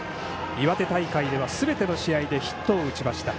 岩手大会ではすべての試合でヒットを打ちました。